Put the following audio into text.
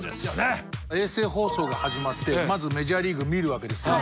衛星放送が始まってまずメジャーリーグ見るわけですよね。